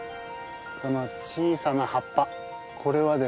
この小さな葉っぱこれはですね